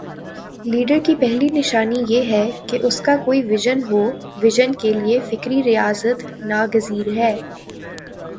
Leader کی پہلی نشانی یہ ہے کہ اس کا کوئی وژن ہو وژن کے لیے فکری ریاضت ناگزیر ہے۔